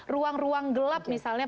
ruang ruang gelap misalnya